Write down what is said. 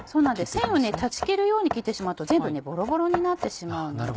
繊維を断ち切るように切ってしまうと全部ボロボロになってしまうので。